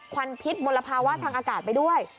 วันพิษมลภาวะทางอากาศไปด้วย